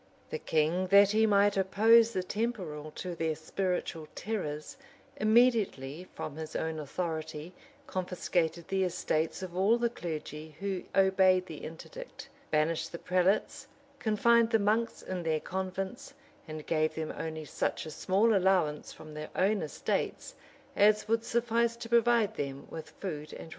The king, that he might oppose the temporal to their spiritual terrors, immediately, from his own authority, confiscated the estates of all the clergy who obeyed the interdict;[] banished the prelates, confined the monks in their convents, and gave them only such a small allowance from their own estates, as would suffice to provide them with food and raiment.